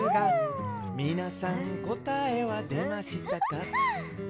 「みなさんこたえはでましたか？」